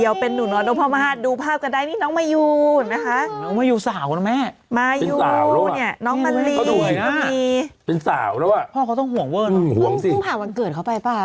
วันเกิดเขาไปป่ะ